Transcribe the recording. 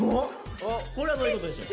これはどういうことでしょう。